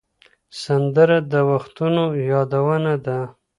سندره د وختونو یادونه ده